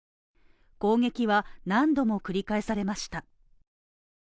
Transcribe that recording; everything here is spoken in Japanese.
攻撃は何度もくり返されました。